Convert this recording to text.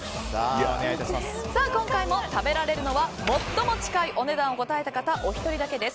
今回も食べられるのは最も近いお値段を答えた方お一人だけ。